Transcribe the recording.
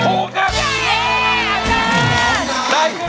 ถูกถูกถูก